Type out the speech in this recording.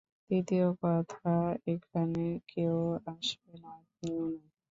তৃতীয় কথা, এখানে কেউ আসবে না আপনিও নয়।